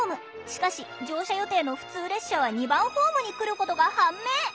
しかし乗車予定の普通列車は２番ホームに来ることが判明。